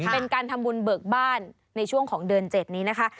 เป็นการทำบุญเบิกบ้านในช่วงของเดือน๗นี้นะคะ